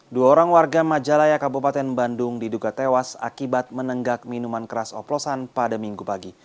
dua orang warga majalaya kabupaten bandung diduga tewas akibat menenggak minuman keras oplosan pada minggu pagi